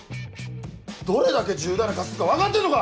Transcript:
どれだけ重大な過失か分かってんのか！